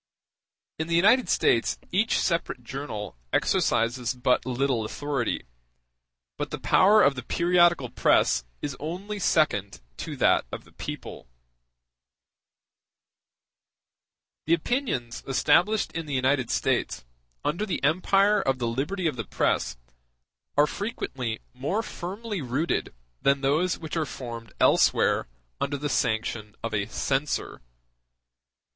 In the United States each separate journal exercises but little authority, but the power of the periodical press is only second to that of the people. *b b [ See Appendix, P.] The opinions established in the United States under the empire of the liberty of the press are frequently more firmly rooted than those which are formed elsewhere under the sanction of a censor.